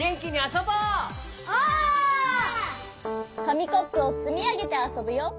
かみコップをつみあげてあそぶよ！